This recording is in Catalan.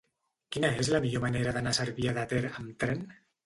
Quina és la millor manera d'anar a Cervià de Ter amb tren?